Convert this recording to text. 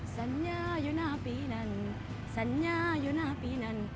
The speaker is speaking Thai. สัญญาอยู่หน้าปีนั้นสัญญาอยู่หน้าปีนั้น